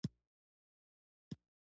دا لیکوال ترجمه کړی دی.